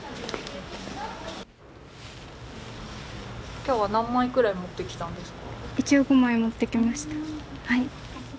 今日は何枚くらい持ってきたんですか？